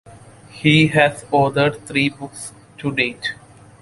He has authored three books to date.